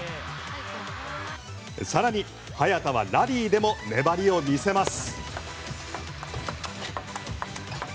さらに早田はラリーでも粘りを見せます。